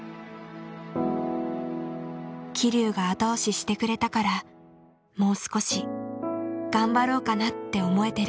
「希龍が後押ししてくれたからもう少し頑張ろうかなって思えてる。